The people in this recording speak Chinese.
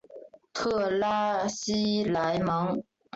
特拉西莱蒙。